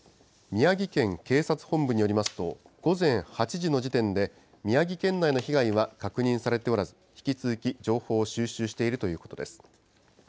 宮城県警察本部によりますと、午前８時の時点で、宮城県内の被害は確認されておらず、引き続き情報を収集しているということです。